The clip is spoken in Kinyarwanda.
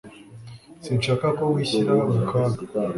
Sinshaka ko wishyira mu kaga.